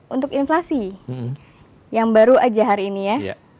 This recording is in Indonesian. untuk inflasi yang baru aja hari ini ya